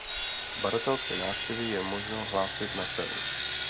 Badatelské návštěvy je možno hlásit na tel.